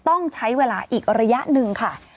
ต้องใช้เวลาอีกระยะหนึ่งค่ะ